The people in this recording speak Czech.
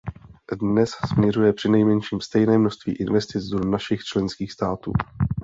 Dnes směřuje přinejmenším stejné množství investic do našich členských států.